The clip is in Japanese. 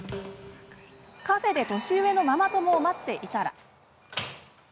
カフェで、年上のママ友を待っていたら。